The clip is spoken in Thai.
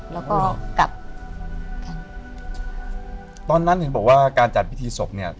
แล้วก็กลับตอนนั้นเห็นบอกว่าการจัดพิธีศพเนี่ย